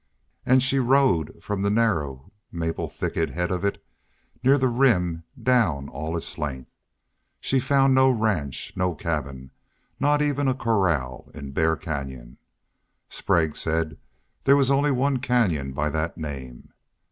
And she rode from the narrow, maple thicketed head of it near the Rim down all its length. She found no ranch, no cabin, not even a corral in Bear Canyon. Sprague said there was only one canyon by that name.